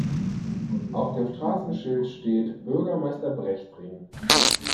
Auf dem Straßenschild steht Bürgermeister-Brecht-Ring.